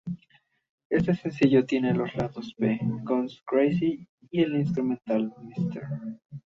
Este sencillo tiene dos lados B: Gone Crazy y el instrumental Mr.